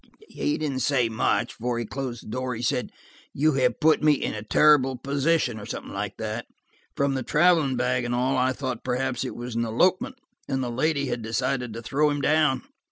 "He didn't say much. Before he closed the door, he said, 'You have put me in a terrible position,' or something like that. From the traveling bag and all, I thought perhaps it was an elopement, and the lady had decided to throw him down."